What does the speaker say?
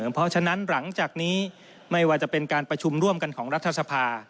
เพราะฉะนั้นหลังจากนี้ไม่ว่าจะเป็นการประชุมร่วมกันของรัฐสภา